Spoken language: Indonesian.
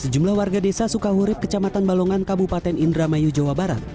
sejumlah warga desa sukahurib kecamatan balongan kabupaten indramayu jawa barat